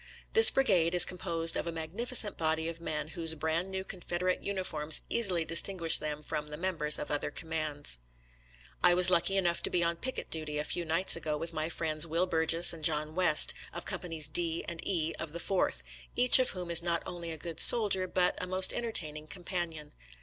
This brigade is composed of a magnificent body of men whose brand new Con federate uniforms easily distinguish them from the members of other commands. I was lucky enough to be on picket duty a few nights ago with my friends Will Burges and John West, of Companies D and E of the Fourth, each of whom is not only a good soldier, but a most entertaining companion.